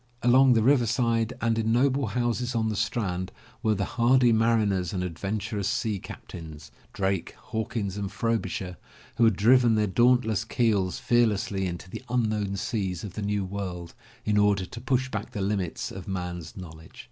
Alon^^ the river side and in noble houses on the Strand were the hardy mariners and adventurous sea captains, Drake, Hawkins and Frobisher, who had driven their dauntless keels fear lessly into the unknown seas of the new world, in order to push back the limits of man's knowledge.